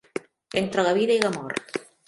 Entre la vida i la mort.